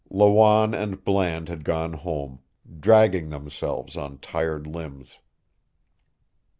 Lawanne and Bland had gone home, dragging themselves on tired limbs.